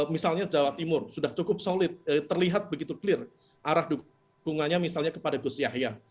misalnya jawa timur sudah cukup solid terlihat begitu clear arah dukungannya misalnya kepada gus yahya